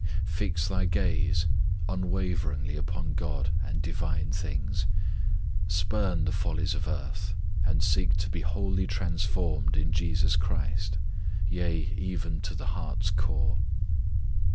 Fix thy gaze unwaveringly upon God and Divine things ; spurn the follies of earth and seek to be wholly transformed in Jesus Christ, yea, even to the heart s core.